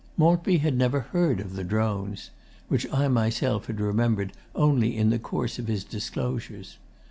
Maltby had never heard of 'The Drones' which I myself had remembered only in the course of his disclosures.